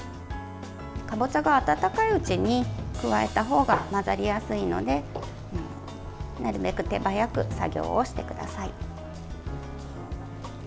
かぼちゃが温かいうちに加えたほうが、混ざりやすいのでなるべく手早く作業をしてください。